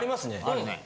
あるね。